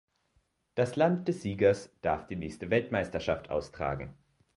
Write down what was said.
Das Land des Siegers darf die nächste Weltmeisterschaft austragen.